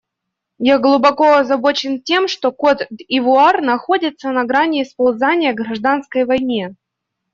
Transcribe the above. Я глубоко озабочен тем, что Котд'Ивуар находится на грани сползания к гражданской войне.